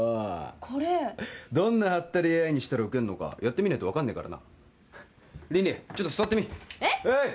これどんなハッタリＡＩにしたらウケるのかやってみないと分かんねえからな凜々ちょっと座ってみえっ？